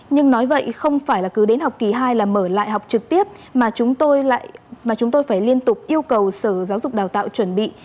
nhưng nói vậy không phải cứ đến học kỳ hai là mở lại học trực tiếp mà chúng tôi phải liên tục yêu cầu sở giáo dục đào tạo chuẩn bị